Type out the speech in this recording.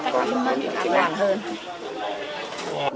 sau hôm này chúng tôi sẽ có một cơ sở vui cháy nổ